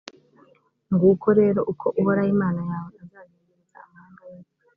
nguko rero uko uhoraho imana yawe azagenzereza amahanga yose